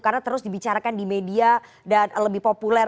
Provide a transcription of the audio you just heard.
karena terus dibicarakan di media dan lebih populer